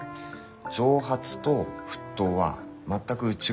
蒸発と沸騰は全く違う現象です。